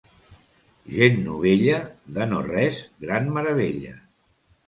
Gent novella, de no res, gran meravella.